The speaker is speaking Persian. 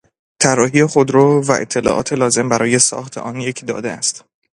طراحی خودرو و اطلاعات لازم برای ساخت آن یک داده است